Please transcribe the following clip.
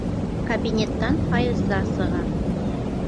Кабинеттан Файза сыға.